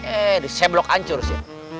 eh di sebelok hancur sih